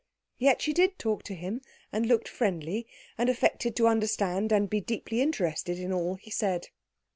Yet she did talk to him, and looked friendly, and affected to understand and be deeply interested in all he said.